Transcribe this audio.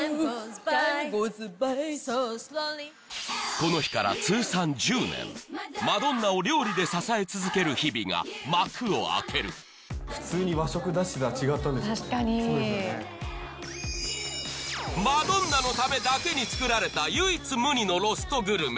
この日から通算１０年マドンナを料理で支え続ける日々が幕を開けるマドンナのためだけに作られた唯一無二のロストグルメ